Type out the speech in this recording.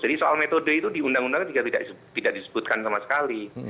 jadi soal metode itu di undang undangnya juga tidak disebutkan sama sekali